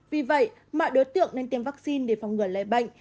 vì vậy mọi đối tượng nên tiêm vaccine để phòng ngừa lây bệnh